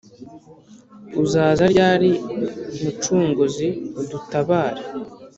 uzaza ryari, mucunguzi, udutabare